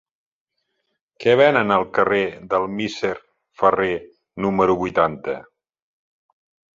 Què venen al carrer del Misser Ferrer número vuitanta?